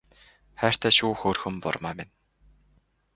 Хайртай шүү хөөрхөн бурмаа минь